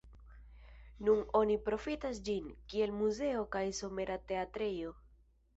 Nun oni profitas ĝin, kiel muzeo kaj somera teatrejo.